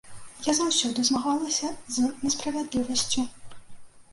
Я заўсёды змагалася з несправядлівасцю.